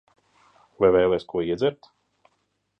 Vai vēlies ko iedzert?